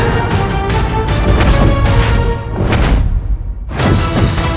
tidak ada yang penting